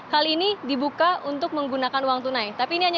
hal ini dibuka untuk menggunakan uang tunai